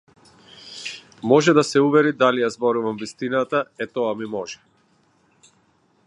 Може да се увери дали ја зборувам вистината, е тоа ми може.